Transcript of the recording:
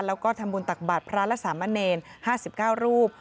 แล้วก็ทำบุญตักบาทพระและสามเณร๕๙รูป